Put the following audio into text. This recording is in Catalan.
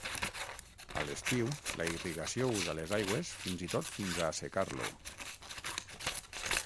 A l'estiu la irrigació usa les aigües fins i tot fins a assecar-lo.